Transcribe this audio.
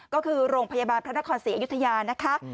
ก็คือโรงพยาบาลพระนครศรีอยุธยานะคะ